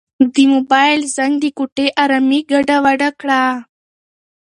د موبایل زنګ د کوټې ارامي ګډوډه کړه.